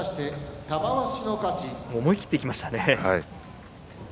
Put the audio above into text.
思い切っていきましたね。